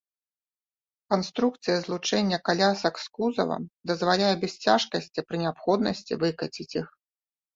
Канструкцыя злучэння калясак з кузавам дазваляе без цяжкасці пры неабходнасці выкаціць іх.